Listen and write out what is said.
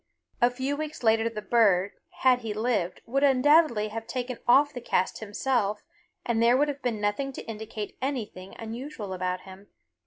A few weeks later the bird, had he lived, would undoubtedly have taken off the cast himself and there would have been nothing to indicate anything unusual about him.